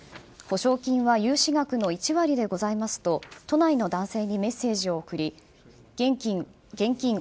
保証金は融資額の１割でございますと都内の男性にメッセージを送り現金